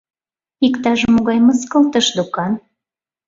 Иктаж-могай мыскылтыш докан.